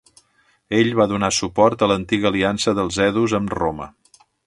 Ell va donar suport a l'antiga aliança dels hedus amb Roma.